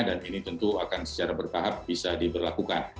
dan ini tentu akan secara bertahap bisa diberlakukan